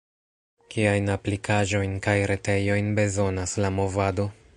Kiajn aplikaĵojn kaj retejojn bezonas la movado?